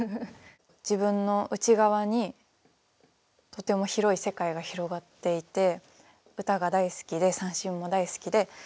自分の内側にとても広い世界が広がっていて歌が大好きで三線も大好きで。